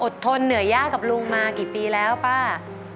ทนเหนื่อยยากกับลุงมากี่ปีแล้วป้า